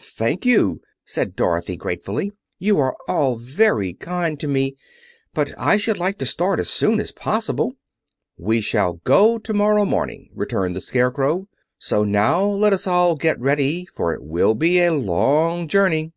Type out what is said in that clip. "Thank you," said Dorothy gratefully. "You are all very kind to me. But I should like to start as soon as possible." "We shall go tomorrow morning," returned the Scarecrow. "So now let us all get ready, for it will be a long journey."